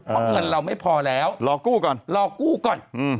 เพราะเงินเราไม่พอแล้วรอกู้ก่อน